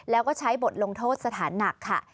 แล้วก็ใช้บทลงโทษสถานหนักค่ะ